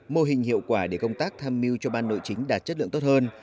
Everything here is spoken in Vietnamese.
mô hình hiệu quả để công tác tham mưu cho ban nội chính đạt chất lượng tốt hơn